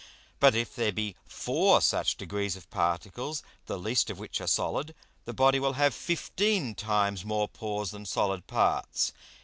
But if there be four such degrees of Particles, the least of which are solid, the Body will have fifteen times more Pores than solid Parts.